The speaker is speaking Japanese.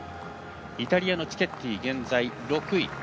イタリアのチケッティ現在６位。